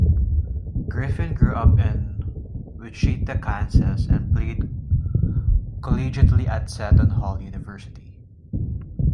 Griffin grew up in Wichita, Kansas and played collegiately at Seton Hall University.